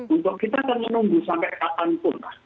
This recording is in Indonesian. untuk kita akan menunggu sampai kapanpun